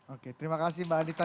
oke terima kasih mbak adita